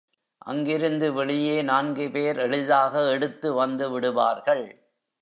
அங்கிருந்து வெளியே நான்கு பேர் எளிதாக எடுத்து வந்து விடுவார்கள்.